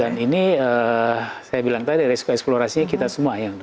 dan ini saya bilang tadi resiko eksplorasi kita semua ya